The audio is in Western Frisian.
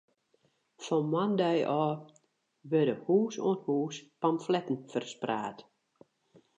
Fan moandei ôf wurde hûs oan hûs pamfletten ferspraat.